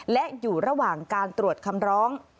และอยู่ระหว่างการตรวจคำร้อง